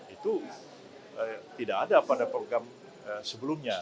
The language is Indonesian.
itu tidak ada pada program sebelumnya